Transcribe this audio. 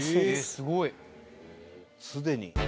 「すごい。すでに」